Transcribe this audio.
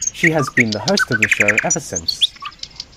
She has been the host of the show ever since.